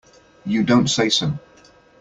You don't say so!